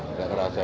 sudah ngerasa rawon